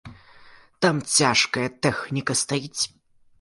Там цяжкая тэхніка стаіць.